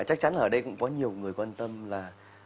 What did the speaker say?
chắc chắn là ở đây cũng có nhiều người quan tâm là